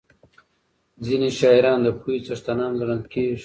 ځینې شاعران د پوهې څښتنان ګڼل کېږي.